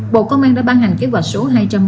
bộ công an đã ban hành kế hoạch số hai trăm bảy mươi ba